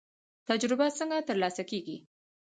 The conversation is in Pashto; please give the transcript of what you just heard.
تجربه څنګه ترلاسه کیږي؟